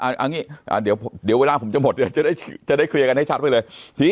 ครับท่านครับอันนี้เดี๋ยวเวลาผมจะหมดจะได้เคลียร์กันให้ชัดไปเลย